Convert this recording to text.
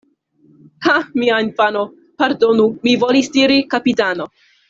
Ha! mia infano ... pardonu, mi volis diri: kapitano.